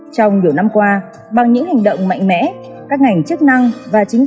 trong nhiều năm qua bằng những hành động mạnh mẽ các ngành chức năng và chính